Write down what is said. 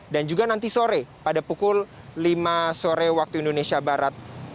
dan juga nanti sore pada pukul lima sore waktu indonesia barat